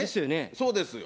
そうですよ。